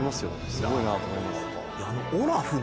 すごいなと思います。